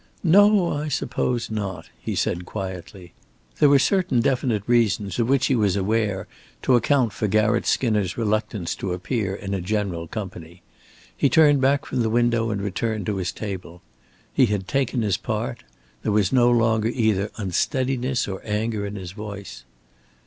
"No, I suppose not," he said, quietly. There were certain definite reasons of which he was aware, to account for Garratt Skinner's reluctance to appear in a general company. He turned back from the window and returned to his table. He had taken his part. There was no longer either unsteadiness or anger in his voice.